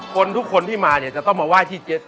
คนทุกคนที่มาเนี่ยจะต้องมาไหว้ที่เจ็ต